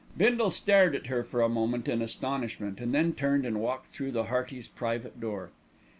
Bindle stared at her for a moment in astonishment, and then turned and walked through the Heartys' private door.